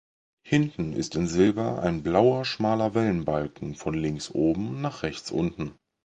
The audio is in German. Hinten ist in Silber ein blauer schmaler Wellenbalken von links oben nach rechts unten.